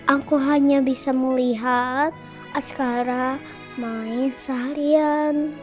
aku hanya bisa melihat askara main seharian